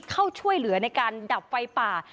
เข้าช่วยเหลือในการดับไฟป่า